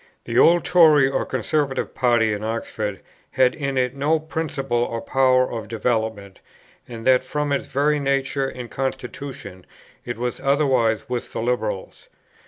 The Old Tory or Conservative party in Oxford had in it no principle or power of development, and that from its very nature and constitution: it was otherwise with the Liberals.